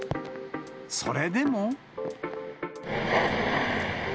それでも。